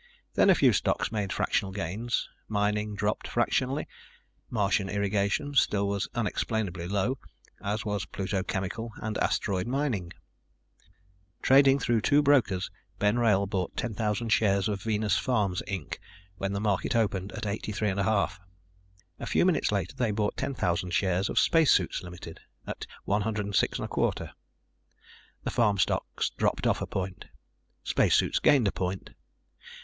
Then a few stocks made fractional gains. Mining dropped fractionally. Martian Irrigation still was unexplainably low, as was Pluto Chemical and Asteroid Mining. Trading through two brokers, Ben Wrail bought 10,000 shares of Venus Farms, Inc. when the market opened at 83 1/2. A few minutes later they bought 10,000 shares of Spacesuits Ltd. at 106 1/4. The farm stocks dropped off a point. Spacesuits gained a point.